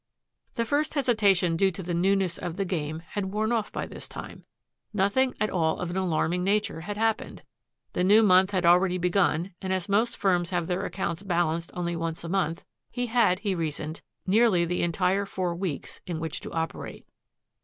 The first hesitation due to the newness of the game had worn off by this time. Nothing at all of an alarming nature had happened. The new month had already begun and as most firms have their accounts balanced only once a month, he had, he reasoned, nearly the entire four weeks in which to operate.